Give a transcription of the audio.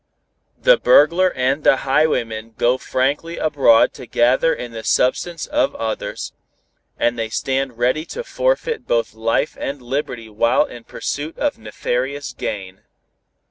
The burglar and the highwayman go frankly abroad to gather in the substance of others, and they stand ready to forfeit both life and liberty while in pursuit of nefarious gain.